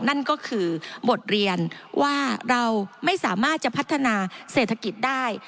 นั่นก็คือบทเรียนว่าเราไม่สามารถจะพัฒนาเศรษฐกิจได้